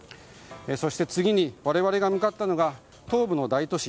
次に我々が向かったのが東部の大都市